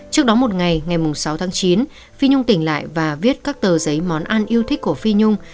trước đó một ngày ngày sáu tháng chín phi nhung tỉnh lại và viết các tờ giấy món ăn yêu thích của phi nhung